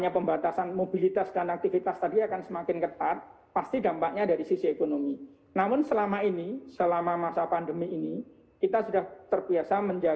pembatasan mobilitas dan aktivitas